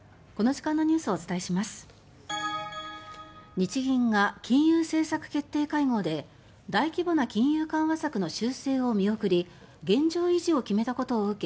日銀が金融政策決定会合で大規模な金融緩和策の修正を見送り現状維持を決めたことを受け